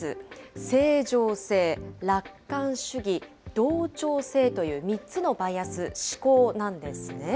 正常性、楽観主義、同調性という３つのバイアス、思考なんですね。